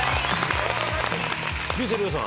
竜星涼さん